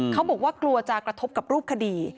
เขาบอกว่ากลัวจะกระทบกับรูปคดี